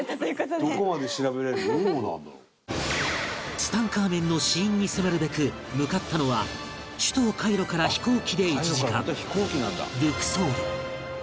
ツタンカーメンの死因に迫るべく向かったのは首都カイロから飛行機で１時間ルクソール